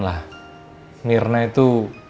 lah mirna itu